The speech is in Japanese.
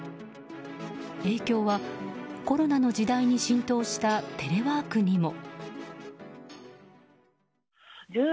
影響は、コロナの時代に浸透したテレワークにも。